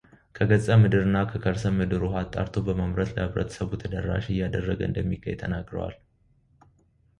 ከገጸ ምድርና ከርሰ ምድር ውሃ አጣርቶ በማምረት ለኅብረተሰቡ ተደራሽ እያደረገ እንደሚገኝ ተናግረዋል፡፡